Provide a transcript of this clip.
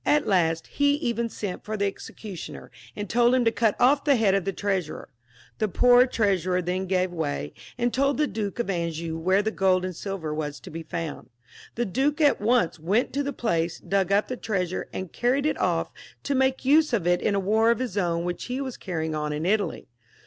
At last he even sent for the executioner, and told him to cut off the head of the Treasurer. The poor Trea surer then gave way, and told the Duke of Anjou where the gold and silver was to be found. The duke at once went to the place, dug up the treasure, and carried it off to make use of it in a war of his own which he was carrying on in Italy.